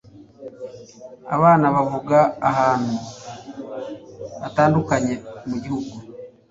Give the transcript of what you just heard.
abana bavaga ahantu hatandukanye mu gihugu